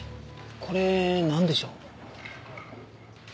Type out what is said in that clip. これなんでしょう？